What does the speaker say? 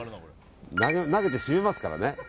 投げて閉めますからね。